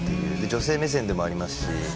女性目線でもありますし。